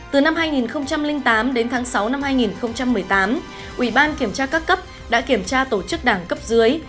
từ năm hai nghìn tám đến tháng sáu năm hai nghìn một mươi tám ủy ban kiểm tra các cấp đã kiểm tra tổ chức đảng cấp dưới